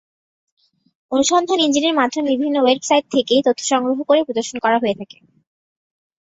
অনুসন্ধান ইঞ্জিনের মাধ্যমে বিভিন্ন ওয়েবসাইট থেকে তথ্য সংগ্রহ করে প্রদর্শন করা হয়ে থাকে।